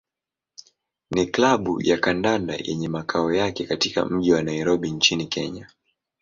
ni klabu ya kandanda yenye makao yake katika mji wa Nairobi nchini Kenya.